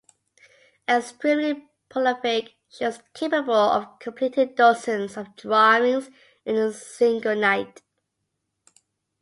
Extremely prolific, she was capable of completing dozens of drawings in a single night.